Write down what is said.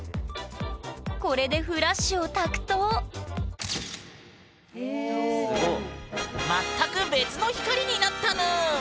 これでフラッシュをたくと全く別の光になったぬん！